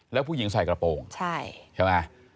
แล้วผู้หญิงใส่กระโปรงใช่ไหม